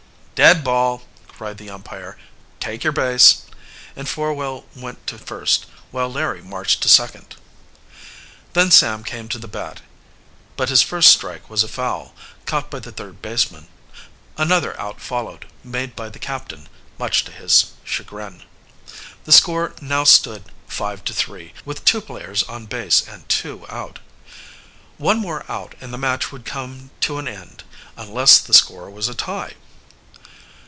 "Dead ball!" cried the umpire. "Take your base," and Forwell went to first, while Larry marched to second. Then Sam came to the bat, but his first strike was a foul, caught by the third baseman. Another out followed, made by the captain, much to his chagrin. The score now stood 5 to 3, with two players on base and two out. One more out and the match would come to an end, unless the score was a tie.